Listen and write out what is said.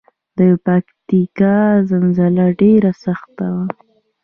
د پکتیکا زلزله ډیره سخته وه